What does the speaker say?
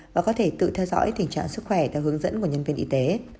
và có thể tự theo dõi tình trạng sức khỏe theo hướng dẫn của nhân viên y tế